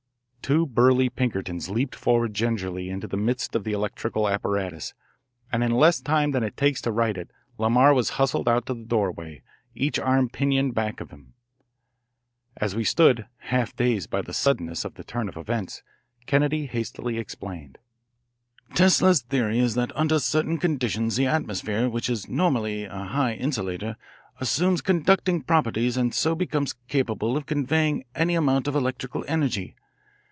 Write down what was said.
Two burly Pinkertons leaped forward gingerly into the midst of the electrical apparatus, and in less time than it takes to write it Lamar was hustled out to the doorway, each arm pinioned back of him. As we stood, half dazed by the suddenness of the turn of events, Kennedy hastily explained: "Tesla's theory is that under certain conditions the atmosphere, which is normally a high insulator; assumes conducting properties and so becomes capable of conveying any amount of electrical energy.